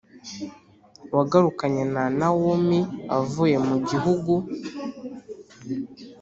Wagarukanye na nawomi avuye mu gihugu